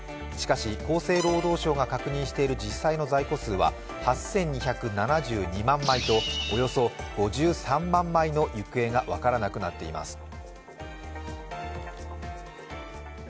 しかし、厚生労働省が確認している実際の在庫数は８２７２万枚とおよそ５３万枚の行方が分からなくなっています。